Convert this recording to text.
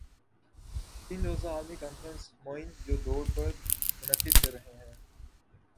تین روزہ عالمی کانفرنس موئن جو دڑو پر منعقد کررہے ہیں